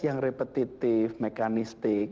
yang repetitif mekanistik